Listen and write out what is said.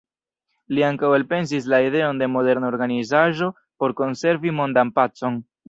Li ankaŭ elpensis la ideon de moderna organizaĵo por konservi mondan pacon.